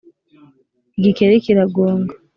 igikeri kiragonga